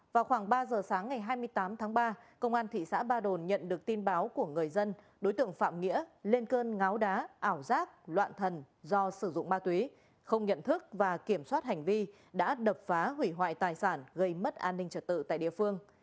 vào khoảng ba giờ sáng ngày hai mươi tám tháng ba công an thị xã ba đồn nhận được tin báo của người dân đối tượng phạm nghĩa lên cơn ngáo đá ảo giác loạn thần do sử dụng ma túy không nhận thức và kiểm soát hành vi đã đập phá hủy hoại tài sản gây mất an ninh trật tự tại địa phương